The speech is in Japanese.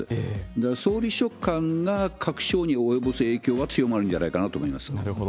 だから総理秘書官が各省に及ぼす影響は強まるんじゃないかと思いなるほど。